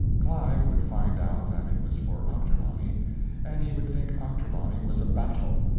Clive would find out that it was for Ochterlony; and he would think Ochterlony was a battle.